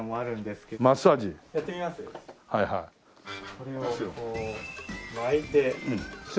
これをこう巻いて。